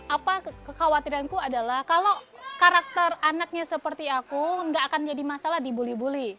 apa kekhawatiranku adalah kalau karakter anaknya seperti aku nggak akan jadi masalah dibuli buli